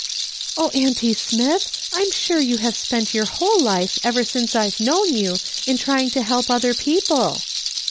" Oh, auntie Smith ! I'm sure you have spent your whole life, ever since I've known you, in trying to lielp other people."